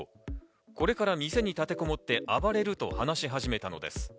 これから店に立てこもって暴れると話し始めたのです。